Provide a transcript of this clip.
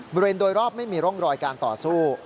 บริเวณโดยรอบไม่มีร่องรอยการต่อสู้